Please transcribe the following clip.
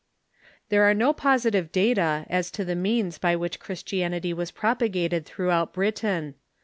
There are no positive data as to the means by which Chris tianity was propagated throughout Britain.